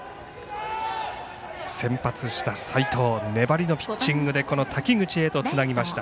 先発した齋藤粘りのピッチングで滝口へとつなぎました。